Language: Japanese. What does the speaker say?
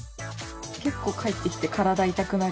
結構帰ってきて体痛くなるよね。